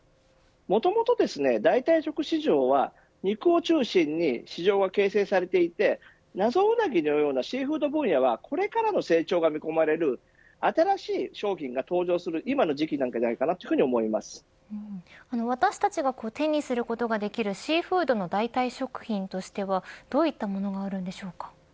もともと代替食市場は肉を中心に市場が形成されていて謎うなぎのようなシーフード分野はこれからの成長が見込まれる新しい商品が登場する今の時期なのでは私たちが手にすることができるシーフードの代替食品としてはどういったものがあるんでしょうか。